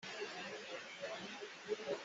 A ruum deuh tikah aa uah deuh ve.